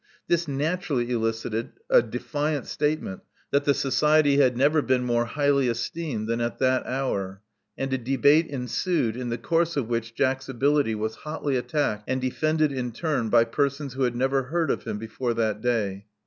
This naturally elicited a defiant statement that the Society had never been more highly esteemed than at that hour; and a debate ensued, in the course of which Jack's ability was hotly attacked and defended in turn by persons who had never heard of him before that day.